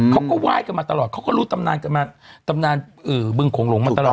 เขาก็ไหว้กันมาตลอดเขาก็รู้ตำนานกันมาตำนานบึงโขงหลงมาตลอด